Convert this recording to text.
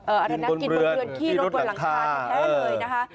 อะไรนะกินบนเรือนขี้นบนหลังคาแท้เลยนะคะ